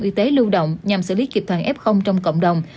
y tế lưu động nhằm xử lý kịp thời f trong cộng đồng